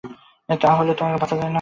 তা হলে তো আর বাঁচা যায় না!